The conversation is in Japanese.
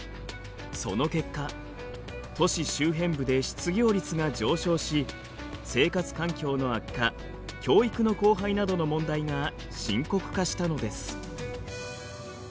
その結果都市周辺部で失業率が上昇し生活環境の悪化教育の荒廃などの問題が深刻化したのです。